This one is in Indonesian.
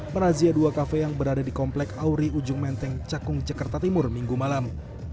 merazia dua kafe yang berada di komplek auri ujung menteng cakung jakarta timur minggu malam